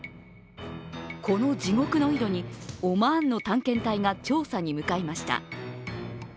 この地獄の井戸にオマーンの探検隊が調査に向かいました。